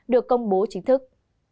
được công bố chính thức